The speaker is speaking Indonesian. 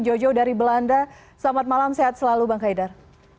jojo dari belanda selamat malam sehat selalu bang haidar